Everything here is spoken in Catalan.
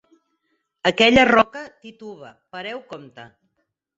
Aquella roca tituba: pareu compte!